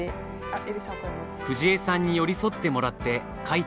藤江さんに寄り添ってもらって描いた一枚。